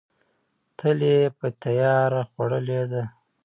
تل یې په تیار خوړلې ده.